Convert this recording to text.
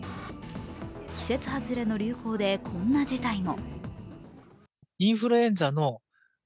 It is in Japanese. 季節外れの流行で、こんな事態も。